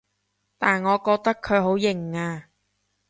但我覺得佢好型啊